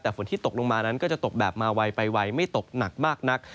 แต่ฝนที่ตกลงมานั้นก็จะตกแบบมาไวไปไวไม่ตกหนักมากนัก